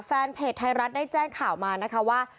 แฟนเพจไทยรัฐได้แจ้งข่าวมานะคะว่า